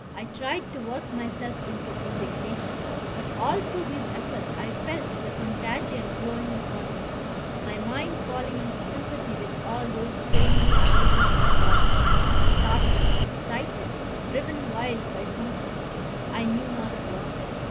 I tried to work myself into indignation; but all through these efforts I felt the contagion growing upon me, my mind falling into sympathy with all those straining faculties of the body, startled, excited, driven wild by something, I knew not what.